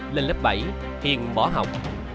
lên lớp bảy hiền bỏ học